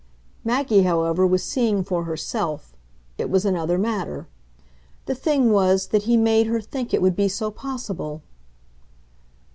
Maggie, however, was seeing for herself it was another matter, "The thing was that he made her think it would be so possible."